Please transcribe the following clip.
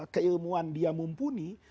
keilmuan dia mumpuni